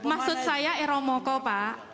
maksud saya eromoko pak